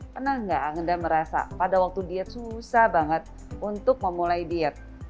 pernah nggak anda merasa pada waktu diet susah banget untuk memulai diet